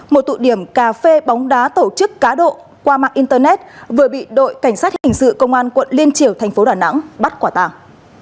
một tụ điểm cà phê bóng đá tổ chức cá độ qua mạng internet vừa bị đội cảnh sát hình sự công an quận liên triều thành phố đà nẵng bắt quả tàng